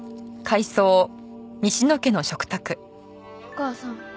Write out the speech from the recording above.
お母さん。